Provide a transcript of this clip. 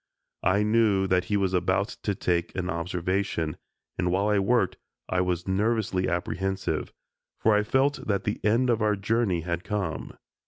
I knew that he was about to take an observation, and while we worked I was nervously apprehensive, for I felt that the end of our journey had come.